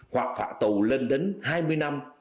hoặc phạ tù lên đến hai mươi năm